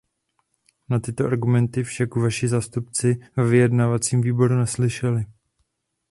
Na tyto argumenty však vaši zástupci ve vyjednávacím výboru neslyšeli.